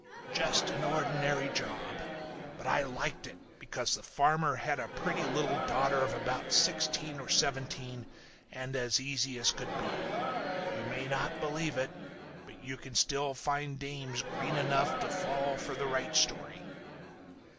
"Just an ordinary job. But I liked it because the farmer had a pretty little daughter of about sixteen or seventeen and as easy as could be. You may not believe it, but you can still find dames green enough to fall for the right story.